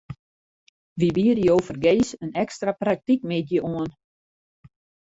Wy biede jo fergees in ekstra praktykmiddei oan.